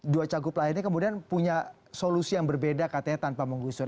dua cagup lainnya kemudian punya solusi yang berbeda katanya tanpa menggusur